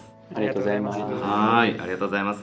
ありがとうございます。